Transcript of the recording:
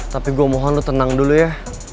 tapi gue mohon lo tenang dulu ya